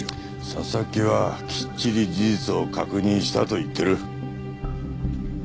佐々木はきっちり事実を確認したと言ってる。